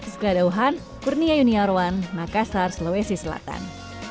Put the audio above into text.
sekela dauhan kurnia yuniarwan makassar sulawesi selatan